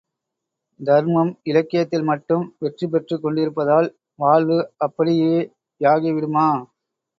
தர்மம் இலக்கியத்தில் மட்டும் வெற்றி பெற்றுக் கொண்டிருப்பதால் வாழ்வு அப்படியேயாகி விடுமோ?